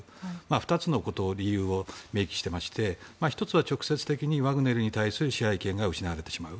２つの理由を明記していまして１つは直接的にワグネルに対する支配権が失われてしまう。